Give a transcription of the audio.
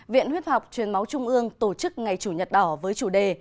viện huyết học truyền máu trung ương tổ chức ngày chủ nhật đỏ với chủ đề